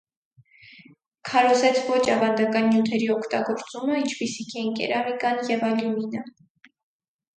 Քարոզեց ոչ ավանդական նյութերի օգտագործումը, ինչպիսիք էին կերամիկան և ալյումինը։